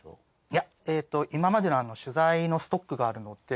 いや今までの取材のストックがあるので。